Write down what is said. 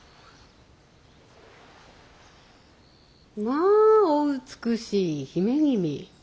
まあお美しい姫君。